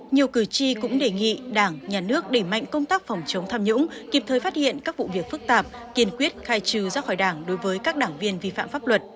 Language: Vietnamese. nhiều cử tri cũng đề nghị đảng nhà nước đẩy mạnh công tác phòng chống tham nhũng kịp thời phát hiện các vụ việc phức tạp kiên quyết khai trừ ra khỏi đảng đối với các đảng viên vi phạm pháp luật